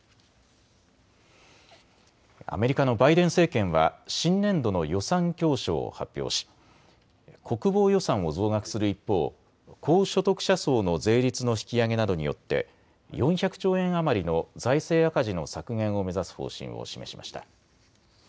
アメリカのバイデン政権は新年度の予算教書を発表し国防予算を増額する一方、高所得者層の税率の引き上げなどによって４００兆円余りの財政赤字の削減を目指す方針を示しました。